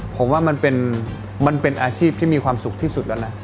ผมว่ามันเป็นอาชีพที่มีความสุขที่สุดแล้วนะ